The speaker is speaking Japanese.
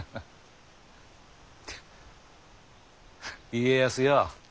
家康よ